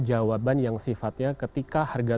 jawaban yang sifatnya ketika harga